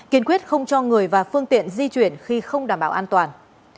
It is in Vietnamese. kiên quyết không cho người và phương tiện di chuyển khi không đảm bảo an toàn